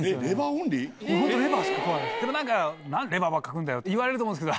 何でレバーばっか食うんだよって言われると思うんですけど。